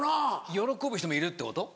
喜ぶ人もいるってこと？